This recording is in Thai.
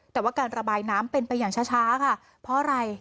แต่ว่าการระบายน้ำเป็นไปอย่างช้าค่ะเพราะอะไร